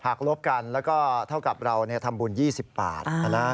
ลบกันแล้วก็เท่ากับเราทำบุญ๒๐บาท